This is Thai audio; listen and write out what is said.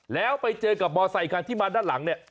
แล้วไปเจอกับมอไซคันที่มาด้านหลังเนี่ย